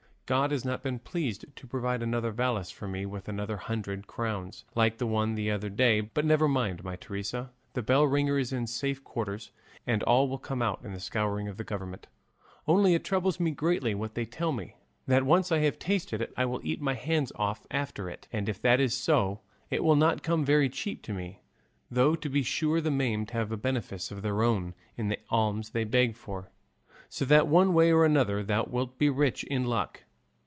God has not been pleased to provide another valise for me with another hundred crowns, like the one the other day; but never mind, my Teresa, the bell ringer is in safe quarters, and all will come out in the scouring of the government; only it troubles me greatly what they tell me that once I have tasted it I will eat my hands off after it; and if that is so it will not come very cheap to me; though to be sure the maimed have a benefice of their own in the alms they beg for; so that one way or another thou wilt be rich and in luck.